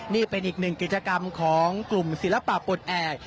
นี่เป็นอีกหนึ่งกิจกรรมของกลุ่มศิลปะปลดแอบ